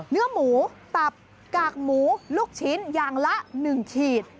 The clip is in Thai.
เนื้อหมูตับกากหมูลูกชิ้นอย่างละ๑ขีด